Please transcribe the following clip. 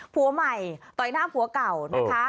ผัวใหม่ต่อยหน้าผัวเก่านะคะ